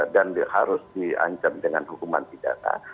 dan harus diancam dengan hukuman pidana